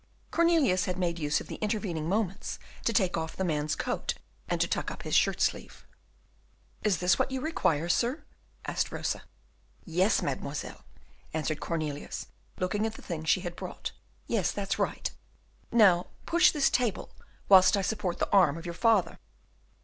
Cornelius had made use of the intervening moments to take off the man's coat, and to tuck up his shirt sleeve. "Is this what you require, sir?" asked Rosa. "Yes, mademoiselle," answered Cornelius, looking at the things she had brought, "yes, that's right. Now push this table, whilst I support the arm of your father."